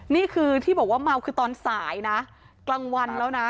นี่คือที่บอกว่าเมาคือตอนสายนะกลางวันแล้วนะ